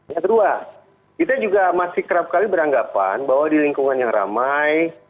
yang kedua kita juga masih kerap kali beranggapan bahwa di lingkungan yang ramai